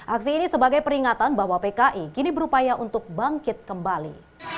aksi ini sebagai peringatan bahwa pki kini berupaya untuk bangkit kembali